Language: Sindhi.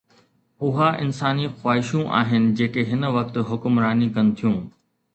اها انساني خواهشون آهن جيڪي هن وقت حڪمراني ڪن ٿيون.